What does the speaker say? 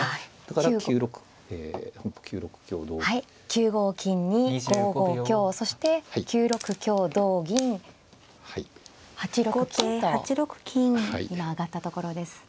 はい９五金に５五香そして９六香同銀８六金と今上がったところです。